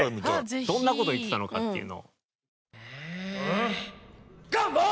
どんな事言ってたのかっていうの。